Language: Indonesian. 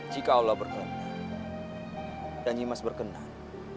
jika allah berkenan dan nyimas berkenan